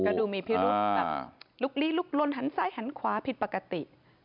หลุกลีหลุกลนหันซ้ายหันขวาผิดปกติ